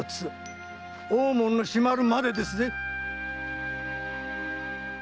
大門の閉まるまでですぜ。